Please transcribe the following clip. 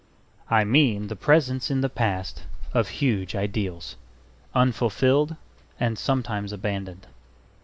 I mean the presence in the past of huge ideals, unfulfilled and sometimes abandoned.